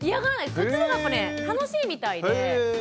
そっちのほうがやっぱね楽しいみたいで。